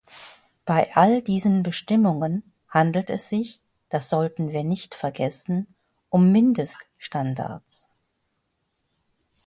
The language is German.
Bei all diesen Bestimmungen handelt es sich, das sollten wir nicht vergessen, um Mindeststandards.